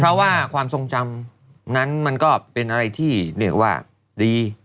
เพราะว่าความทรงจำนั้นมันก็เป็นอะไรที่เรียกว่าดี